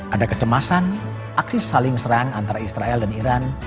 ada kecemasan aksi saling serang antara israel dan iran